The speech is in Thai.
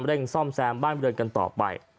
ซ่อมแซมบ้านบริเวณกันต่อไป